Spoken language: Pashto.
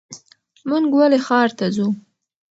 مونږ ولې ښار ته ځو؟